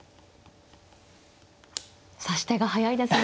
指し手が速いですね。